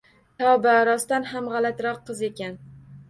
Tavba, rostdan ham g`alatiroq qiz ekan